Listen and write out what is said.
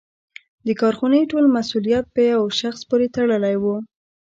د کارخونې ټول مسوولیت په یوه شخص پورې تړلی و.